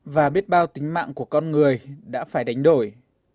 và biết bao tính mạng của con người đã phải đánh đổi